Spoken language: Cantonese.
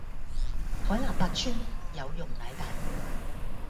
海納百川，有容乃大